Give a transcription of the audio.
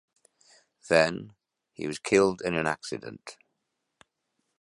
Then, he was killed in an accident.